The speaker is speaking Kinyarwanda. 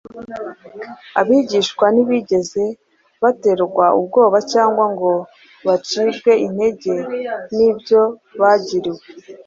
Abigishwa ntibigeze baterwa ubwoba cyangwa ngo bacibwe intege n’ibyo bagiriwe.